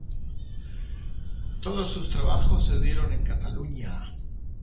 Todos sus trabajos se dieron en Cataluña.